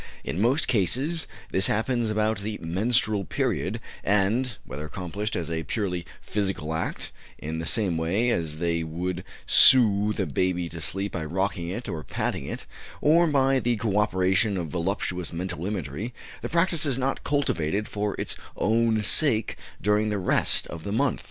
In most cases this happens about the menstrual period, and, whether accomplished as a purely physical act in the same way as they would soothe a baby to sleep by rocking it or patting it or by the co operation of voluptuous mental imagery, the practice is not cultivated for its own sake during the rest of the month.